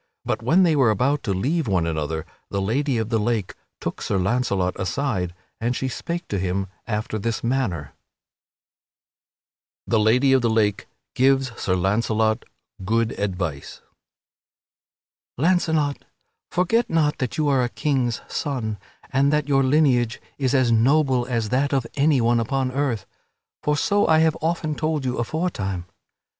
But when they were about to leave one another the Lady of the Lake took Sir Launcelot aside, and she spake to him after this manner: [Sidenote: The Lady of the Lake gives Sir Launcelot good advice] "Launcelot, forget not that you are a king's son, and that your lineage is as noble as that of anyone upon earth for so I have often told you aforetime.